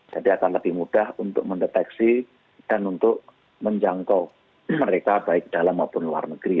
jadi akan lebih mudah untuk mendeteksi dan untuk menjangkau mereka baik dalam maupun luar negeri